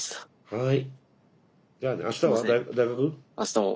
はい。